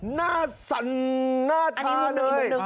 หน้าชาเลย